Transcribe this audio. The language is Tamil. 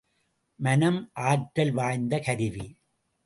மனம் ஆற்றல் வாய்ந்த கருவி.